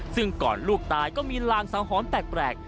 ซึ่งก่อนลูกตายก็มีลางสังหรณ์แปลก